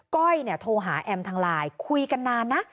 ก้อยโทรหาแอมทางไลน์คุยกันนานนะ